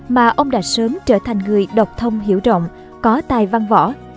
mà ông đã sớm trở thành người độc thông hiểu rộng có tài văn võ